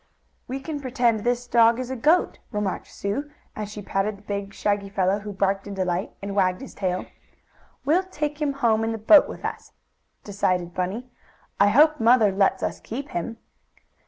"We can pretend this dog is a goat," remarked Sue, as she patted the big shaggy fellow, who barked in delight, and wagged his tail. "We'll take him home in the boat with us," decided Bunny. "I hope mother lets us keep him."